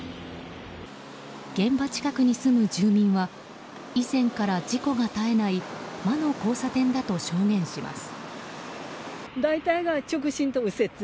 現場近くに住む住民は以前から事故が絶えない魔の交差点だと証言します。